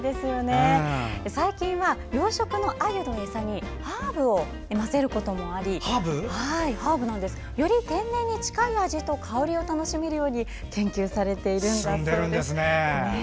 最近は養殖のアユの餌にハーブを混ぜることもありより天然に近い味と香りを楽しめるように研究されているんだそうです。